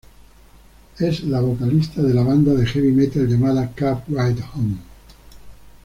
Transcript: Es la vocalista de la banda de heavy metal llamada "Cab Ride Home".